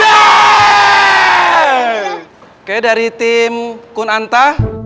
oke dari tim kun anta